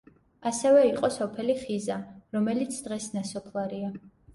ასევე იყო სოფელი ხიზა, რომელიც დღეს ნასოფლარია.